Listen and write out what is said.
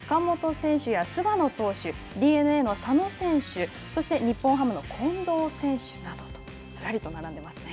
巨人の坂本選手や菅野投手ＤｅＮＡの佐野選手そして日本ハムの近藤選手などとずらりと並んでいますね。